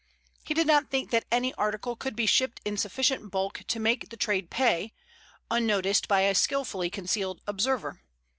He did not think that any article could be shipped in sufficient bulk to make the trade pay, unnoticed by a skilfully concealed observer.